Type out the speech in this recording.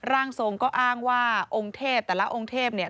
ร่างทรงก็อ้างว่าองค์เทพแต่ละองค์เทพเนี่ย